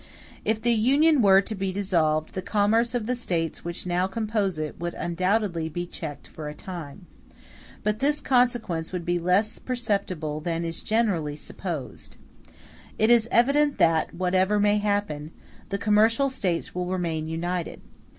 If the Union were to be dissolved, the commerce of the States which now compose it would undoubtedly be checked for a time; but this consequence would be less perceptible than is generally supposed. It is evident that, whatever may happen, the commercial States will remain united.